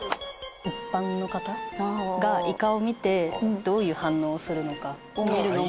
「一般の方がイカを見てどういう反応をするのかを見るのも」